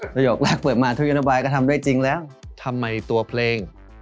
ประโยคแรกเปิดมาทุกนโยบายก็ทำได้จริงแล้วทำไมตัวเพลง